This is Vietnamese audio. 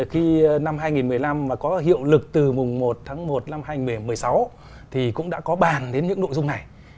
khi năm hai nghìn một mươi năm mà có hiệu lực từ mùng một tháng một năm hai nghìn một mươi sáu thì cũng đã có bàn đến những nội dung này